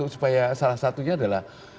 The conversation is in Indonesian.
supaya salah satunya adalah